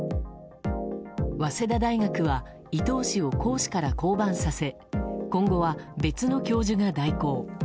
早稲田大学は伊東氏を講師から降板させ今後は、別の教授が代行。